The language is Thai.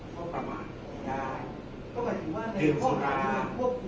ก็หมายถึงว่าในข้อหาที่คุกคุย